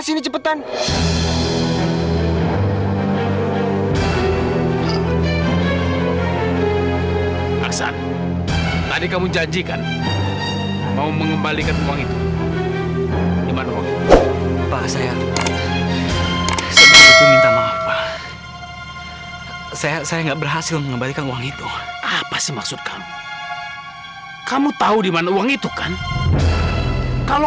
sampai jumpa di video selanjutnya